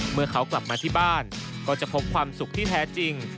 เมื่อเขากลับมาที่บ้านก็จะพบความสุขที่แท้จริง